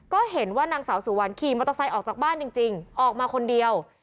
ก็เห็นว่านางสาวสุวรรณขี่มอเตอร์ไซค์ออกจากบ้านจริงออกมาคนเดียว